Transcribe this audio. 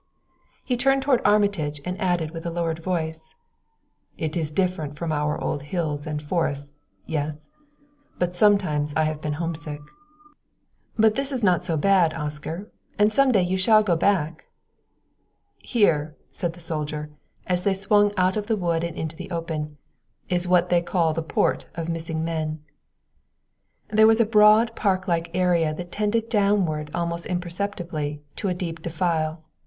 He turned toward Armitage and added with lowered voice: "It is different from our old hills and forests yes? but sometimes I have been homesick." "But this is not so bad, Oscar; and some day you shall go back!" "Here," said the soldier, as they swung out of the wood and into the open, "is what they call the Port of Missing Men." There was a broad park like area that tended downward almost imperceptibly to a deep defile.